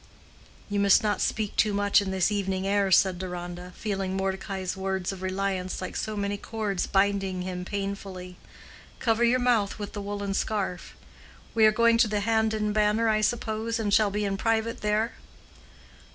"You must not speak too much in this evening air," said Deronda, feeling Mordecai's words of reliance like so many cords binding him painfully. "Cover your mouth with the woolen scarf. We are going to the Hand and Banner, I suppose, and shall be in private there?"